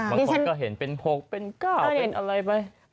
บางคนก็เห็นเป็น๖เป็น๙เป็นอะไรไป